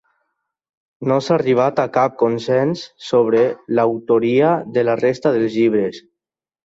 No s'ha arribat a cap consens sobre l'autoria de la resta dels llibres.